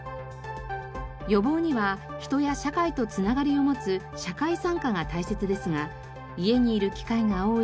予防には人や社会と繋がりを持つ社会参加が大切ですが家にいる機会が多い